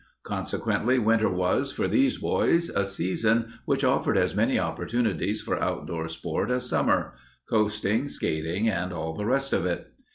Consequently, winter was, for these boys, a season which offered as many opportunities for outdoor sport as summer coasting, skating, and all the rest of it.